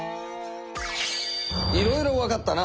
いろいろわかったな。